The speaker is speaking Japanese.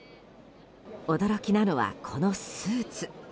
驚きなのは、このスーツ。